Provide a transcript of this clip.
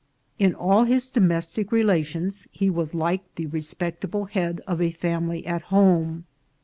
In all his domestic relations he was like the re spectable head of a family at home.